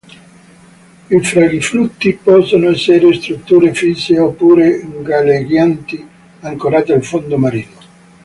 I frangiflutti possono essere strutture fisse oppure galleggianti, ancorate al fondo marino.